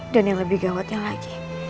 dan yang lebih gawatnya lagi